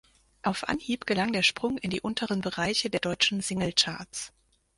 Auf Anhieb gelang der Sprung in die unteren Bereiche der deutschen Singlecharts.